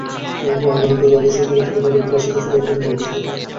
মহিমান্বিত রাত শবে বরাতে ইবাদতের পাশাপাশি পরিবারের সবাইকে নিয়ে খাওয়াদাওয়ার রেওয়াজ আছে।